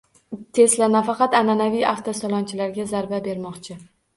Tesla nafaqat an’anaviy avtosanoatchilarga zarba bermoqchi